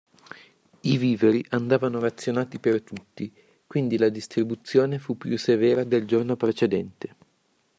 I viveri andavano razionati per tutti, quindi la distribuzione fu più severa del giorno precedente.